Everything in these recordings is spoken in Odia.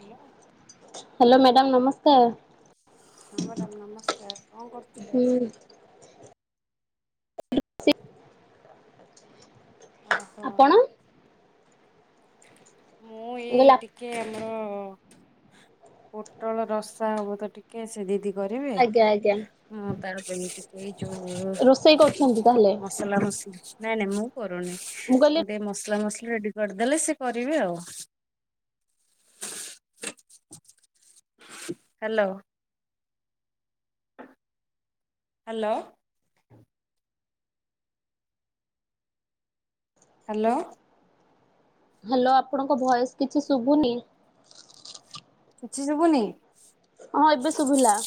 ହ୍ୟାଲୋ ହାଲୋ ମ୍ୟାଡ଼ାମ ନମସ୍କାର। ହଁ ମ୍ୟାଡ଼ାମ ନମସ୍କାର କଣ କରୁଥିଲେ? ହୁଁ [unintelligible] ଓହୋ ଆପଣ ମୁଁ ଏଇ ଗୁଲାପ ଟିକେ ଆମର ପୋଟଳ ରସା ହବ, ତ ଟିକେ ସେ ଦିଦି କରିବେ! ଆଜ୍ଞା ଆଜ୍ଞା। ମୁଁ ତା ପାଇଁ ଟିକେ ଯୋଉ ରୋଷେଇ କରୁଛନ୍ତି ତାହେଲେ ମସଲା ମସଲି! ନାଇଁ ନାଇଁ ମୁଁ କରୁନି। ମୁଁ କହିଲି ସେ ମସଲା ମସଲି ରେଡି କରିଦେଲେ। ସେ କରିବେ ଆଉ ହାଲୋ ହାଲୋ ହାଲୋ ହାଲୋ ଆପଣଙ୍କ ଭଏସ୍‌ କିଛି ଶୁବୁନି? କିଛି ଶୁବୁନି? ହଁ ଏବେ ଶୁଭିଲା।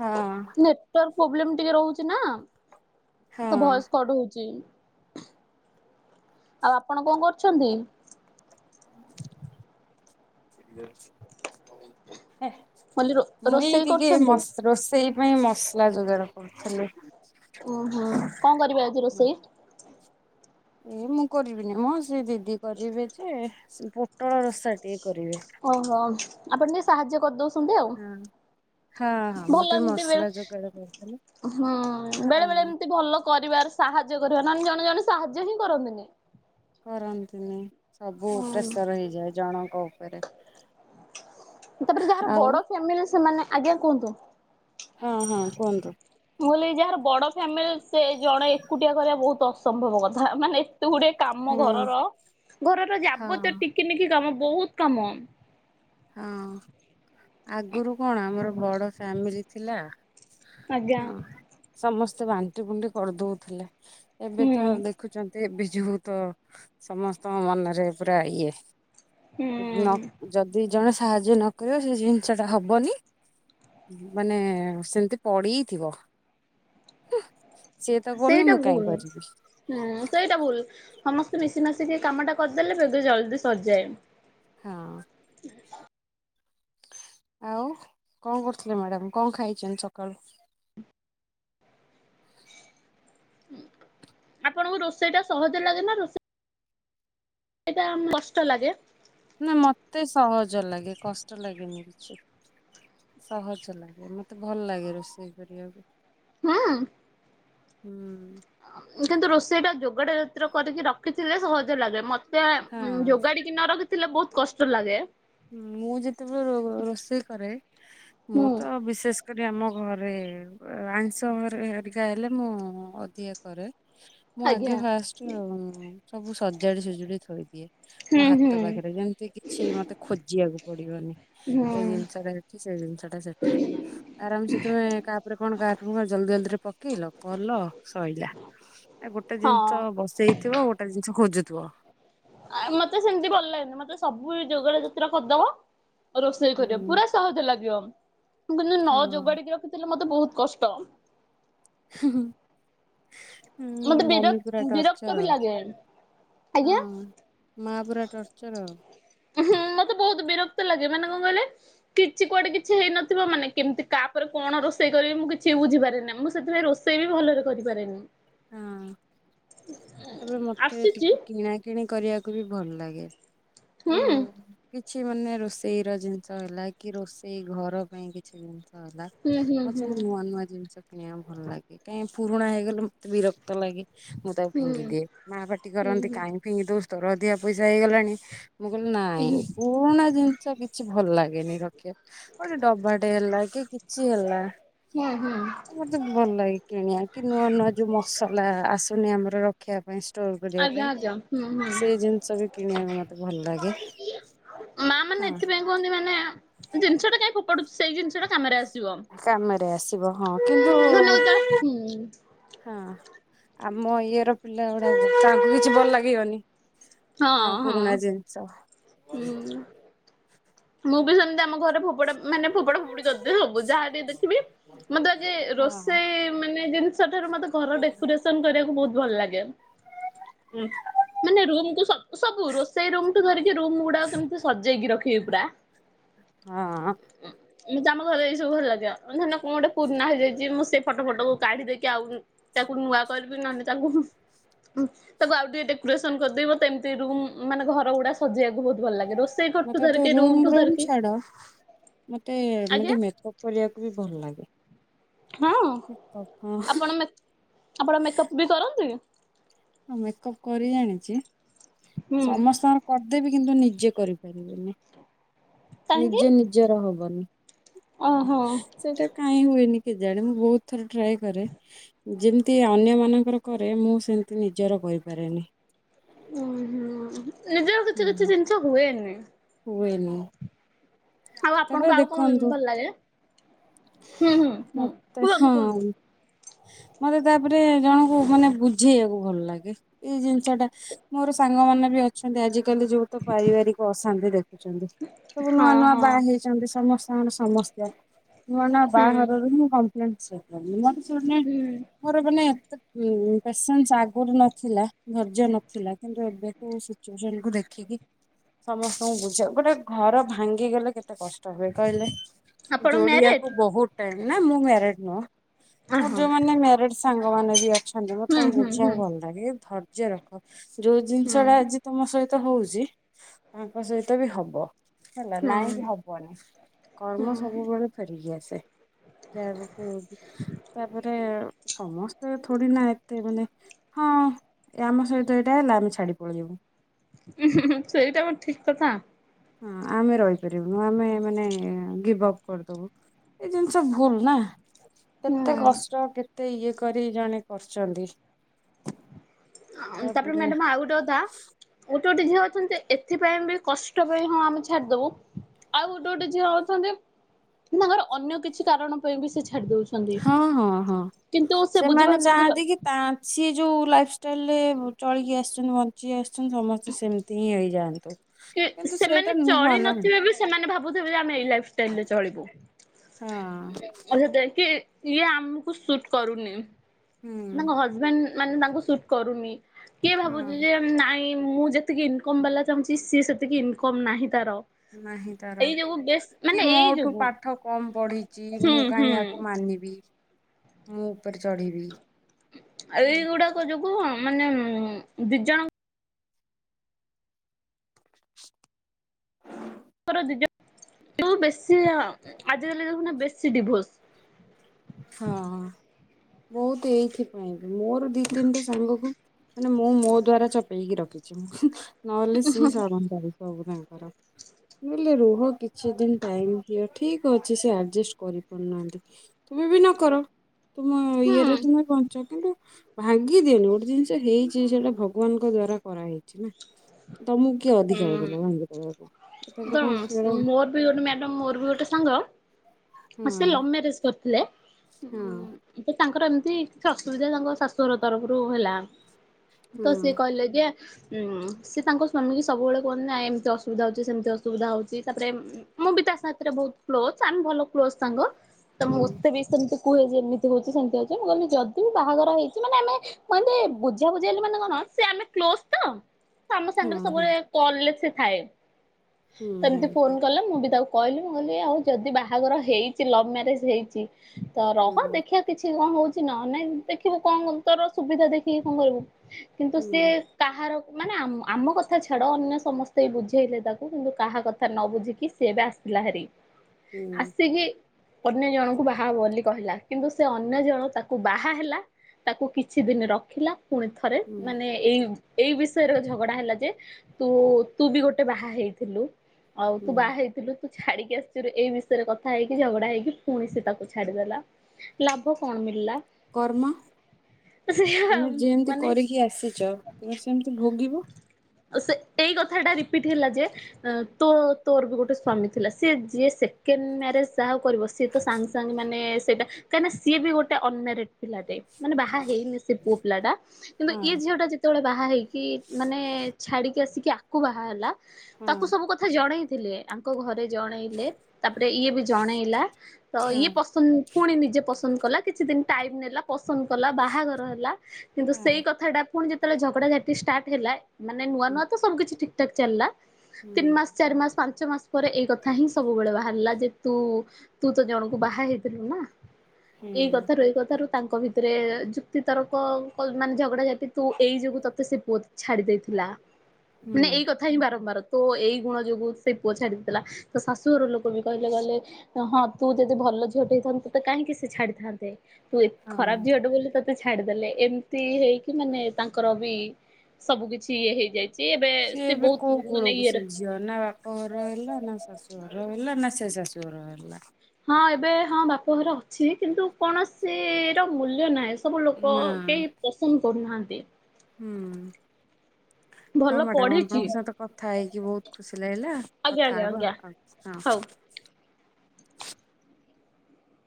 ହଁ। ନେଟୱାର୍କ ପ୍ରୋବ୍ଲେମ ଟିକେ ରହୁଚିନା, ହଁ ତ ଭଏସ କଡ ହୋଉଛି। ଆଉ ଆପଣ କଣ କରୁଛନ୍ତି? [unintelligible] ହେ ମୁଁ କହିଲି ରୋ ମୁଁ ରୋଷେଇ ଟିକେ କରୁଛନ୍ତି ମସ୍ ରୋଷେଇ ପାଇଁ ମସଲା ଯୋଗାଡ କରୁଥିଲି। ଓ ହୋ, କଣ କରିବେ ଆଜି ରୋଷେଇ? ଏ ମୁଁ କରିବିନି ମୋ ସେ ଦିଦି କରିବେ। ଯେ ପୋଟଳ ରଷା ଟିକେ କରିବେ। ଓହୋ ଆପଣ ଟିକେ ସାହାଯ୍ୟ କରିଦଉଛନ୍ତି ଆଉ ହଁ ହଁ ମୁଁ ଭଲ ଟିକେ ଏମିତି ହୁଏ। ମସଲା ଯୋଗାଡ଼ କରିଥିଲି ହଁ ବେଳେ ବେଳେ ହଁ ଏମିତି ଭଲ କରିବାର ସାହାଯ୍ୟ କରିବା ନହେଲେ ଜଣେ ଜଣେ ସାହାଯ୍ୟ ହିଁ କରନ୍ତିନି। କରନ୍ତି ନି। ସବୁ ହୁଁ। ପ୍ରେସର ହେଇଯାଏ। ଜଣଙ୍କ ଉପରେ ଆଉ। କେମନ ସେମାନେ- ଆଜ୍ଞା କୁହନ୍ତୁ। ହଁ ହଁ କୁହନ୍ତୁ। ମୁଁ କହିଲି ଯାହାର ବଡ ଫ୍ୟାମିଲି ସେ ଜଣେ ଏକୁଟିଆ କରିବା ବହୁତ ଅସମ୍ଭବ କଥା ମାନେ ଏତେ ଗୁଡେ କାମ ହଁ। ଘରର ଘରର ଯାବ ହଁ ତ ଟିକି ନିକି କାମ ବହୁତ କାମ ହଁ ଆଗରୁ କଣ ଆମର ବଡ ଫ୍ୟାମିଲି ଥିଲା। ଆଜ୍ଞା ଉଃ ସମସ୍ତେ ବାଣ୍ଟି କୁଣ୍ଟି କରିଦଉଥିଲେ। ଏବେ ହୁଁ ତ ଦେ ଦେଖୁଛନ୍ତି। ବିଜୁ ତ ସମସ୍ତଙ୍କ ମନରେ ପୁରା ଇଏ ହୁଁ। ନ ଯଦି ଜଣେ ସାହାଯ୍ୟ ନ କରିବ। ସେ ଜିନିଷ ଟା ହବନି। ମାନେ ସେମିତି ପଡିଥିବ। [unintelligible] ସିଏ ତ କରନି। ସେଇଟା ମୁଁ ଭୁଲ କାହିଁ କରିବି। ହୁଁ ସେଇଟା ଭୁଲ ସମସ୍ତେ ମିଶି ମାଶିକି କାମ ଟା କରିଦେଲେ। ବେଗେ ଜଲଦି ସରିଯାଏ। ହଁ। ଆଉ କଣ କରୁଥିଲେ। ମ୍ୟାଡ଼ାମ କଣ ଖାଇଛନ୍ତି ସକାଳୁ? ହଁ ଆପଣଙ୍କୁ ରୋଷେଇ ଟା ସହଜ ଲାଗେ ନା ରୋଷେଇ ଏଇଟା ଆମ କଷ୍ଟ ଲାଗେ। ନା ମତେ ସହଜ ଲାଗେ କଷ୍ଟ ଲାଗେନି। କିଛି। ସହଜ ଲାଗେ ମତେ ଭଲ ଲାଗେ ରୋଷେଇ କରିବାକୁ। ହଁ। ହୁଁ। କିନ୍ତୁ ରୋଷେଇ ଟା ଯୋଗାଡ଼ ଯତ୍ନ କରିକି ରଖିଥିଲେ। ସହଜ ଲାଗେ ମତେ ହଁ ଉଁ ଯୋଗାଢିକି କିନ ରଖିଥିଲେ ବହୁତ କଷ୍ଟ ଲାଗେ। ହଁ ମୁଁ ଯେତେବେଳେ ରୋ ରୋଷେଇ କରେ ହୁଁ ମୁଁ ତ ବିଶେଷ କରି ଆମ ଘରେ ଆଇଁଷ ହେରିକା ହେଲେ ମୁଁ ଅଧିକା କରେ। ମୁଁ ଆଜ୍ଞା। ଆଗେ ଫାଷ୍ଟ ସବୁ ସଜାଡି ସଜୁଡି ଥୋଇଦିଏ। ମୋ ହୁଁ ହୁଁ ହାତ ପାଖରେ ଯେମିତି କିଛି ମତେ ଖୋଜିବାକୁ ପଡିବନି ହୁଁ ଏଇ ଜିନିଷରେ ସେଇ ଜିନିଷ ଟା ସେଠି ଆରାମସେ ତୁମେ କାପରେ କଣ କାହା ଜଲଦି ଜଲଦିରେ ପକେଇଲ କଲ ଶଇଲା। ଆ ଗୋଟେ ହଁ। ଜିନିଷ ବସେଇଥିବ ଆଉ ଗୋଟେ ଜିନିଷ ଖୋଜୁଥିବ। ଆ ମତେ ସେମିତି ଭଲ ଲାଗେନି ମତେ ସବୁ ଯୋଗ ଜତରେ କରିଦବ ରୋଷେଇ ହୁଁ କରିବ ପୁରା ସହଜ ଲାଗିବ ମୁ କିନ୍ ନ ହଁ ଯୋଗାଡିକି ରଖିଥିଲେ ମତେ ବହୁତ କଷ୍ଟ। ହୁଁ ହୁଁ। ହୁଁ ମତେ ବିର ମମି ପୁରା ବିରକ୍ତ ବି ଟର୍ଚର ଲାଗେ। ଆଜ୍ଞା। ହଁ। ମା ପୁରା ଟର୍ଚର ଆଉ। ହୁଁ ମତେ ବହୁତ ବିରକ୍ତ ଲାଗେ ମାନେ କଣ କହିଲେ କିଛି କୁଆଡେ କିଛି ହେଇନଥିବ ମାନେ କେମିତି କାପରେ କଣ ରୋଷେଇ କରିବି ମୁଁ କିଛି ବୁଝିପାରି ମୁଁ ସେଥିପାଇଁ ରୋଷ ସେ ବି ଭଲରେ କରିପାରେନି। ହଁ ତାପରେ ମତେ ଆସିଛି ଟିକେ କିଣା କିଣି କରିବାକୁ ବି ଭଲ ଲାଗେ ହୁଁ ଯଉ କିଛି ମାନେ ରୋଷେଇ ର ଜିନିଷ ହେଲା କି ରୋଷେଇ ଘର ପାଇଁ କିଛି ଜିନିଷ ହେଲା ହୁଁ ହୁଁ ମତେ ହୁଁ ସବୁ ନୂଆ ନୂଆ ଜିନିଷ କିଣିବା ଭଲ ଲାଗେ କାଇଁ ପୁରୁଣା ହେଇଗଲେ ତେ ବିରକ୍ତ ଲାଗି ମୁଁ ତାକୁ ହୁଁ ହୁଁ ଫିଙ୍ଗି ଦିଏ ମା ପାଟି ହୁଁ କରନ୍ତି ହୁଁ କାହିଁକି ପିଙ୍ଗି ଦଉଚୁ ତୋର ଅଧିକା ପଇସା ହେଇଗଲାଣି ମୁଁ କହିଲି ନାଇଁ ହୁଁ ପୁରୁଣା ଜିନିଷ କିଛି ଭଲ ଲାଗେନି ରଖିବା ଗୋଟେ ଡବାଟେ ହେଲା କି କିଛି ହେଲା ହୁଁ ହୁଁ। ମୋତେ ଭଲ ଲାଗେ କିଣିବା କି ନୂଆ ନୂଆ ଯୋଉ ମସଲା ଆସୁନି ଆମର ରଖିବା ପାଇଁ ଷ୍ଟୋର କରିବା ଆଜ୍ଞା ପାଇଁ ଆଜ୍ଞା ହୁଁ ହୁଁ ସେଇ ଜିନିଷ ବି କିଣିବାକୁ ମତେ ଭଲ ଲାଗେ। ମା ମାନେ ହଁ। ଏଥିପାଇଁ କହନ୍ତି ମାନେ ଜିନିଷ ଟା କାଇହିଁ ଫୋପାଡୁଚୁ ସେଇ ଜିନିଷ ଟା କାମରେ ଆସ କାମରେ ଆସିବ ହଁ କିନ୍ତୁ ଧରିନିଅ କେତେବେଳେ ହୁଁ ହଁ ଆମ ଇଏ ର ପିଲା ଗୁଡା ତାଙ୍କୁ କିଛି ଭଲ ଲାଗିବନି। ତାଙ୍କୁ ହଁ ହଁ ପୁରୁଣା ଜିନିଷ। ହୁଁ ମୁଁ ବି ସେମିତି ଆମ ଘରେ ଫୋପଡା ମାନେ ଫୋପୋଡା ଫୋପିଡି କରଦିଏ ସବୁ ଯାହା ଟିକେ ଦେଖିବି ମତେ ଆଗେ ହଁ ରୋଷେଇ ମାନେ ଜିନିଷ ସେଠାରୁ ମତେ ଘର ଡେକୋରେସନ୍ କରିବାକୁ ବହୁତ ଭଲ ଲାଗେ। ମାନେ ରୁମ୍ କୁ ସବ ସବୁ ରୋଷେଇ ରୁମ୍ ଟୁ ଧରିକି ରୁମ୍ ଗୁଡା କେମିତି ସଜେଇକି ରଖିବି ପୁରା। ହଁ। ମୁଁ ତ ଆମ ଘରେ ଏଇ ସବୁ ଭଲ ଲାଗିବ ଧର ନିଅ କଣ ଗୋଟ ପୁଣା ହେଇଯାଇଚି ମୁଁ ସେ ଫଟ ଫଟ କୁ କାଢିଦେଇକି ଆଉ ତାକୁ ନୂଆ କରବିି ନହେଲେ ତାକୁ ଉଁ ତାକୁ ଆଉ ଟିକେ ଡେକୋରେସନ କରିଦେବି ମତେ ଏମିତି ରୁମ୍ ମାନେ ଘର ଗୁଡା ସଜେଇବାକୁ ବହୁତ ଭଲ ଲାଗେ ରୋସ୍ ସେଇ ଘର ଠୁ ଧରିକ ରୁମ୍ ରୋମ୍ ଛାଡ ମତେ ଆଜ୍ଞା ମତେ ମେକଅପ୍ କରିବାକୁ ବି ଭଲ ଲାଗେ। ହଁ ମେକଅପ ଆପଣ ମେ ଆପଣ ମେକଅପ୍ ବି କରନ୍ତି? ହଁ ମେକଅପ୍ କରି ଯାଣିଚି ସମସ୍ତଙ୍କ କରିଦେବି କିନ୍ତୁ ନିଜେ କରିପାରିବିନି କାହିଁକି? ନିଜେ ନିଜର ହବନି। ଓହୋ ସେଟା କାଇଁ ହୁଏନି କେଜାଣି ମୁଁ ବହୁତ ଥର ଟ୍ରାଏ କରେ ଯେମିତି ଅନ୍ୟ ମାନଙ୍କର କରେ ମୁଁ ସେମିତି ନିଜର କରିପାରେନି। ଓ ହୋ ନିଜର ହୁଁ କିଛି କିଛି ଜିନିଷ ହୁଏନି। ହୁଏନି। ଆଉ ତାପରେ ଆପଣଙ୍କୁ ଆଉ କଣ ଦେଖନ୍ତୁ ଭଲ ଲାଗେ? ହୁଁ ହୁଁ ହୁଁ ମତେ କୁହନ୍ତୁ ହଁ। କୁହନ୍ତୁ। ମତେ ତାପରେ ଜଣଙ୍କୁ ମାନେ ବୁଝେଇବାକୁ ଭଲ ଲାଗେ ଏଇ ଜିନିଷ ଟା ମୋର ସାଙ୍ଗମାନେ ବି ଅଛନ୍ତି ଆଜିକାଲି ଯୋଉ ତ ପାରିବାରିକ ଅଶାନ୍ତି ଦେଖୁଚନ୍ତି ସବୁ ନୂଆ ହଁ ନୂଆ ହଁ ଚନ୍ତି ସମସ୍ତଙ୍କର ସମସ୍ୟ ନୂଆ ନୂଆ ହୁଁ ବାହାଘରରୁ ହିଁ ମୁଁ କମ୍ପ୍ଲେନ୍ ସ [unintelligible] ହୁଁ ମୋର ମାନେ ଏତେ ପେସେନ୍ସ ଆଗରୁ ନଥିଲା ଧୈର୍ଯ୍ୟ ନଥିଲା କିନ୍ତୁ ଏବେ କୁ ଯେନ କୁ ଦେଖିକି ସମସ୍ତଙ୍କୁ ବୁଝ ଗୋଟେ ଘର ଭାଙ୍ଗିଗଲେ କେତେ କଷ୍ଟ ହୁଏ କହିଲେ ଆପଣ ମ୍ୟାରେଡ୍? ଯୋଡିବାକୁ ବହୁତ ଟାଇ ନା ମୁଁ ମ୍ୟାରଡ୍ ନୁହଁ। ଅ ମୋର ହଁ ଯୋଉମାନେ ମ୍ୟାରଡ୍ ସାଙ୍ଗ ମାନ ବି ଅଛନ୍ତି ମତେ ହୁଁ ତାଙ୍କୁ ହୁଁ ବୁଝିବାକୁ ହୁଁ ଭଲ ଲାଗେ ଏ ଧୈର୍ଯ୍ୟ ରଖ। ଯୋଉ ଜିନିଷ ହୁଁ ଟା ହୁଁ। ଆଜି ତମ ସହିତ ହଉଚି ତାଙ୍କ ସହିତ ବି ହବ। ହେଲା ନାଇଁ ହୁଁ କି ହବନି କର୍ମ ସବୁବେଳେ ଫେରିକି ଆସେ। ଯାହାକୁ କୁହନ୍ତି ତାପରେ ସମସ୍ତେ ଥୋଡି ନା ଏତେ ମାନେ ହଁ ଆମ ସହିତ ଏଇଟା ହେଲା ଆମେ ଛାଡି ପଳେଇଯିବୁ। ସେଇଟା କଣ ଠିକ କଥା। ହଁ ଆମେ ରହିପାରିବୁନୁ ଆମେ ମାନେ ଡିଭ ଅପ୍ କରିଦବୁ। ଏଇ ଜିନିଷ ଭୁଲ ନା। କେତେ ହୁଁ। କଷ୍ଟ କେତେ ଇଏ କରି ଜଣେ କରିଛନ୍ତି। ତା ପରେ ତାପରେ ମ୍ୟାଡମ ଆଉ ଗୋଟେ କଥା ଗୋଟେ ଗୋଟେ ଝିଅ ଅଛନ୍ତି ଏଥିପାଇଁ ବି କଷ୍ଟ ପାଇଁ ହଁ ଆମେ ଛାଡିଦବୁ। ଆଉ ଗୋଟେ ଗୋଟେ ଯିଏ ଅଛନ୍ତି ତାଙ୍କର ଅନ୍ୟ କିଛି କାରଣ ପାଇଁ ବି ସେ ଛାଡି ଦଉଛନ୍ତି। ହଁ ହଁ ହଁ କିନ୍ତୁ ସେ ବୁଝି ସେମାନେ ପାରୁନାହାନ୍ତି ଯାଆନ୍ତି କି ତା ସିଏ ଯୋଉ ଲାଇଫଷ୍ଟାଇଲରେ ଚଳିକି ଆସିଛନ୍ତି ମ ି ଆସୁଛନ୍ତି ସମସ୍ତେ ସେମିତି ହିଁ ହେଇଯାଆନ୍ତୁ। କି କିନ୍ତୁ ସେଇଟା ସେମାନେ ନୁହଁ ଚଳି ନା ହଁ ନଥିବେ ବି ସେମାନେ ଭାବୁଥିବେ ଯେ ଆମେ ଏଇ ଲାଇଫଷ୍ଟାଇଲରେ ଚଳିବୁ। [unintelligible] ଇଏ ଆମକୁ ସୁଟ୍ କରୁନି। ହୁଁ। ତାଙ୍କ ହଜବେଣ୍ଡ ମାନେ ତାଙ୍କୁ ସୁଟ୍ କରୁନି କିଏ ଭାବୁଛି ହଁ ଯେ ନାଇଁ। ମୁଁ ଯେତିକି ଇନକମ୍ ବାଲା ଚାହୁଁଛି ସିଏ ସେତିକି ଇନକମ୍ ନାହିଁ ତାର। ନାହିଁ ତାର। ଏଇ ଯୋଗୁ ବେଶ କି ମାନେ ମୋ ଏଇ ଠୁ ଯୋଗୁ ପାଠ କମ ପଢିଛି ହୁଁ ମୁଁ କାହିଁ ହୁଁ। ଏହାକୁ ମାନିବି। ମୁଁ ଉପରେ ଚଢିବି। ଏଇଗୁଡାକ ଯୋଗୁ ମାନେ ଦି ଜଣ [unintelligible] ବେଶୀ ଆଜିକାଲି ଦେଖୁ ନ ବେଶୀ ଡିଭୋର୍ସ। ହଁ ବହୁ ତ ଏଇଥିପାଇଁ ବି ମୋର ଦି ତିନିଟା ସାଙ୍ଗକୁ ମାନେ ମୁଁ ମୋ ଦ୍ଵାରା ଚପେଇକି ରଖିଛି ନହେଲେ ସିଏ ସଡ଼ନ୍ତା ସବୁ ତାଙ୍କର। ବୋଇଲେ ରୁହ କିଛି ଦିନ ଟାଇମ ଦିଅ ଠିକ ଅଛି ସେ ଆଡଜଷ୍ଟ କରିପାରୁନାହାନ୍ତି। ତୁମେ ବି ନ କର ତୁମ ହୁଁ ଇଏରେ ତମେ ବଞ୍ଚ କିନ୍ତୁ ଭାଙ୍ଗି ଦିଅନୁ ଗୋଟେ ଜିନିଷ ହେଇଛି ସେଟା ଭଗବାନଙ୍କ ଦ୍ଵାରା କରାହେଇଛି ନା। ତମକୁ କିଏ ଅଧିକାର ଦେଲେ ଭାଙ୍ଗି ଦେବା। ତ [unintelligible] ମୋର। ଗୋଟେ ମ୍ୟାଡମ ମୋର ବି ଗୋଟେ ହଁ ସାଙ୍ଗ ସେ ଲଭ ମ୍ୟାରେଜ କରିଥିଲେ। ହଁ ଏ ତାଙ୍କର ଏମିତି କିଛି ଅସୁବିଧା ତାଙ୍କ ଶାଶୁ ଘର ତରଫରୁ ହେଲା। ହଁ ତ ସିଏ କହିଲେ ଯେ ଉଁ ସେ ତାଙ୍କ ସ୍ଵାମୀ କି ସବୁବେଳେ କହନ୍ତି ନା ଏମିତି ଅସୁବିଧା ହଉଛି। ସେମିତି ଅସୁବିଧା ହଉଛି ତା ମୁଁ ବି ତା ସାଥିରେ ବହୁତ କ୍ଲୋଜ ଆ ଭଲ କ୍ଲୋଜ ସାଙ୍ଗ। ତ ମୁ ହଁ ମତେ ବି ସେମିତି କୁହେ ଯେ ଏମିତି ହଉଛି ସେମିତି ହଉଛି ମୁଁ କହିଲି ଯଦି ବି ବାହାଘର ହେଇଛି ମାନେ ଆମେ ମାନେ ବୁଝା ବୁଝେଇଲେ ମାନେ କଣ ସେ ଆମେ କ୍ଲୋଜ ତ। ଆମ ହଁ ସାଙ୍ଗରେ ହଁ। ସବୁବେଳେ କଲରେ ସେ ଥାଏ ହୁଁ ହୁଁ ସେମିତି ଫୋନ କଲେ ମୁଁ ବି ତାକୁ କହିଲି ମୁଁ କହିଲି ଆଉ ଯଦି ବାହାଘର ହେଇଛି ଲଭ ମ୍ୟାରେଜ ହେଇଛି ତ ରହ ହୁଁ ଦେଖିବା। କିଛି କଣ ହଉଛି ନା ନାଇଁ ଦେଖିବୁ କଣ ତୋର ସୁବିଧା ଦେଖିକି କଣ କରିବୁ କିନ୍ତୁ ହୁଁ ସିଏ କାହାର ମାନେ ଆମ କଥା ଛାଡ ଅନ୍ୟ ସମସ୍ତେ ବୁଝେଇଲେ ତାକୁ। କିନ୍ତୁ କାହା କଥା ନ ବୁଝିକି ସିଏ ଏବେ ଆସିଲା ହେରି ହୁଁ ଆସିକି ଅନ୍ୟ ଜଣଙ୍କୁ ବାହା ହବ ବୋଲି କହିଲା କିନ୍ତୁ ସେ ଅନ୍ୟ ଜଣ ତାକୁ ବାହା ହେଲା। ତାକୁ କିଛି ଦିନ ରଖିଲା ପୁଣି ଥ ଥରେ ହୁଁ ମାନେ ଏଇ ଏଇ ବିଷୟରେ ଝଗଡା ହେଲା ଯେ ତୁ ତୁ ବି ଗୋଟେ ବାହା ହେଇ ଥିଲୁ ଆଉ ହୁଁ। ତୁ ବାହା ହେଇଥିଲୁ। ତୁ ଛାଡିକି ଆସିଥିଲୁ ଏଇ ବିଷୟରେ କଥା ହେଇକି ଝଗଡା ହେଇକି ପୁଣି ସେ ତାକୁ ଛାଡିଦେଲା। ଲାଭ କଣ ମିିଳିଲା। କର୍ମ ତୁମେ ଯେମିତି ମାନେ କରିକି ଆସିଛ ତୁମେ ସେମିତି ଭୋଗିବ। ସେ ସେଇ କଥାଟା ରିପିଟ୍ ହେଲା ଯେ ତୋ ତୋର ବି ଗୋଟେ ସ୍ଵାମୀ ଥିଲା ସି ଯିଏ ସେକେଣ୍ଡ ମ୍ୟାରେଜ ଯାହା କରିବ ସିଏ ତ ସାଙ୍ଗ। ମାନେ ସେଇଟା କାଁକି ସିଏ ବି ଗୋଟେ ଅନମାରଡ ପିଲ ଯେ ମାନେ ବାହା ହଁ ହେଇନି ସେ ପୁଅ ପିଲା ଟା କିନ୍ତୁ ହଁ ଏଇ ଝିଅଟା ଯେ ଯେତେବେଳେ ବାହା ହେଇକି ମାନେ ଛାଡିକି ଆସିକି ଆକୁ ବାହା ହେଲା ତାକୁ ହଁ ସବୁ କଥା ଜଣେଇଥିଲେ ଙ୍କ ଘରେ ଜଣେଇଲେ ତାପରେ ଇଏ ବି ଜଣେଇଲା ତ ଇଏ ହଁ। ପସନ୍ଦ ପୁଣି ନିଜେ ପସନ୍ଦ କଲା କିଛି ଦିନ ଟାଇମ ନେଲା ପସନ୍ଦ କଲା ବାହାଘର ହେଲା କିନ୍ତୁ ସେଇ ହଁ କଥା ଟା ପୁଣି ଯେତେବେଳେ ଝଗଡାଝାଟି ଷ୍ଟାର୍ଟ ହେଲା ମାନେ ନୂଆ ନୂଆ ତ ସବୁ କିଛି ଠିକ୍ ଠାକ୍ ଚାଲିଲା ହୁଁ ତିନି ମାସ ଚାରି ମାସ ପାଞ୍ଚ ମାସ ପରେ ଏଇ କଥା ହିଁ ସବୁବେଳେ ବାହାରିଲା ଯେତୁ ତୁ ତ ଜଣକୁ ବାହା ହେଇଥିଲୁ ନା ହୁଁ ଏଇ କଥାରୁ ଏଇ କଥାରୁ ତାଙ୍କ ଭିତରେ ଯୁକ୍ତି ତର୍କ ମାନେ ଝଗଡ଼ାଝାଟି ତୁ ଏଇ ଯୋଗୁଁ ତୋତେ ସେ ପୁଅ ଛାଡ଼ି ଦେଇଥିଲା ହ ମାନେ ଏଇ କଥା ହିଁ ବାର ବାର ତୋ ଏଇ ଗୁଣ ଯୋଗୁ ସେ ପୁଅ ଛାଡି ଦେଇଥିଲା ତ ଶାଶୁଘର ଲୋକ ବି କହିଲେ କହିଲେ ହଁ ତୁ ଯଦି ଭଲ ଝିଅଟେ ହେଇଥାନ୍ତେୁ ତତେ କାହିଁକି ସେ ଛାଡିଥାନ୍ତେ ହୁଏ ତୁ ହଁ। ଖରାପ ଝିଅଟେ ବୋଲି ତତେ ଛାଡିଦେଲେ ଏମିତି ହେଇକି ମାନେ ତାଙ୍କର ବି ସବୁ କିଛି ଇଏ ହେଇଯାଇଛି ଏବେ ସିଏ ସେ ଏବେ ବହୁତ କୋଉ ମାନେ କୂଳକୁ ସେ ଇଏରେ ଝିଅ ନା ବାପ ଘର ହେଲା ନା ଶାଶୁ ଘର ହେଲା ନା ସେ ଶାଶୁ ଘର ହେଲା ହଁ ଏବେ ହଁ ବାପଘର ଅଛି କିନ୍ତୁ କୌଣସି ର ମୂଲ୍ୟ ନାହିଁ ସବୁ ଲୋକ ନା କେହି ପସନ୍ଦ କରୁନାହାନ୍ତି ହୁଁ ହଉ ଭଲ ମ୍ୟାଡାମ ପଢିଛି ଆପଣଙ୍କ ସହିତ କଥା ହେଇକି ବହୁତ ଖୁସି ଲାଗିଲା ଆଜ୍ଞା କଥା ଆଜ୍ଞା ହବ ଆଜ୍ଞା ଆଉ ହଉ। ହଁ